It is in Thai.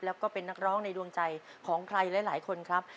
แล้วก็เป็นนักร้องในดวงใจของใครหลายคนครับ